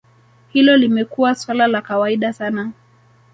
Hilo limekuwa suala la kawaida sana